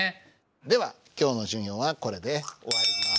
では今日の授業はこれで終わります。